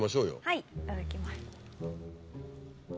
はいいただきます。